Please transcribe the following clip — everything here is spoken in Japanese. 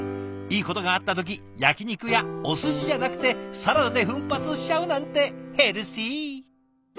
いいことがあった時焼き肉やおすしじゃなくてサラダで奮発しちゃうなんてヘルシー。